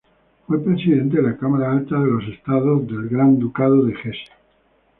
Fue presidente de la Cámara Alta de los estados del Gran Ducado de Hesse.